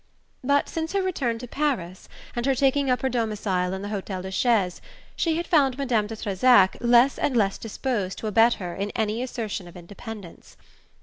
But since her return to Paris, and her taking up her domicile in the Hotel de Chelles, she had found Madame de Trezac less and less disposed to abet her in any assertion of independence.